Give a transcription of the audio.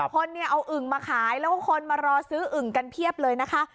คนเนี่ยเอาอึ่งมาขายแล้วก็คนมารอซื้ออึ่งกันเพียบเลยนะคะ